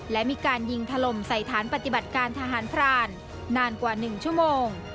และมีการยิงถล่มใส่ฐานปฏิบัติการทหารพรานนานกว่า๑ชั่วโมง